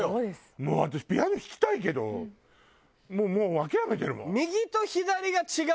もう私ピアノ弾きたいけどもう諦めてるもん。